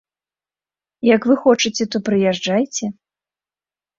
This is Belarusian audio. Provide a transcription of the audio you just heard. Як вы хочаце, то прыязджайце.